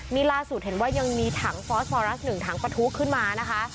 นี่ล่าสุดเห็นว่ายังมีถังฟอสฟอรัส๑ถังประทุขึ้นมานะคะ